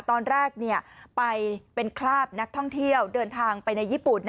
ตอนแรกไปเป็นคราบนักท่องเที่ยวเดินทางไปในญี่ปุ่น